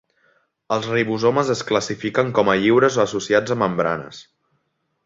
Els ribosomes es classifiquen com a lliures o associats a membranes.